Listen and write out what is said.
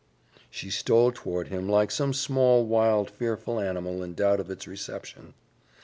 She stole toward him like some small, wild, fearful animal in doubt of its reception.